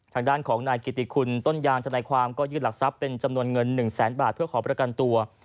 ทางด้านของนายกิติคุณต้นยางทนายความก็ยื่นหลักทรัพย์เป็นจำนวนเงิน๑แสนบาทเพื่อขอประกันตัว